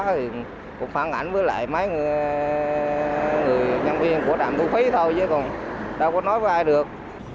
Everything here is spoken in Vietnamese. thì cũng phản ảnh với lại mấy người nhân viên của trạm thu phí thôi chứ còn đâu có nói ai được